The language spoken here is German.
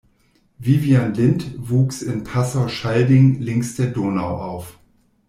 Vivian Lindt wuchs in Passau-Schalding links der Donau auf.